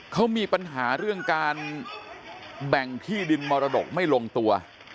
เขามีปัญหาเรื่องการแบ่งที่ดินมรดกไม่ลงตัว